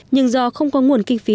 nhưng do không có nguồn kinh phí